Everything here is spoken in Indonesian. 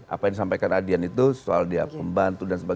apa yang disampaikan adian itu soal dia pembantu ya